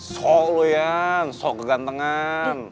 sok lu yan sok kegantengan